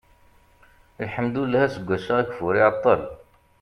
lḥemdullah aseggas-a ageffur iɛeṭṭel